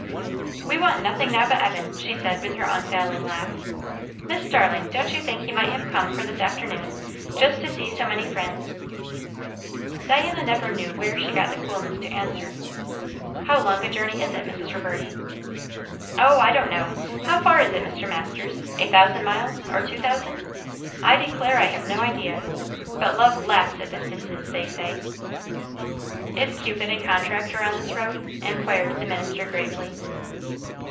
"We want nothing now but Evan," she said with her unfailing laugh. "Miss Starling, don't you think he might have come for this afternoon, just to see so many friends?" Diana never knew where she got the coolness to answer, "How long a journey is it, Mrs. Reverdy?" "O, I don't know! How far is it, Mr. Masters? a thousand miles? or two thousand? I declare I have no idea. But love laughs at distances, they say." "Is Cupid a contractor on this road?" inquired the minister gravely.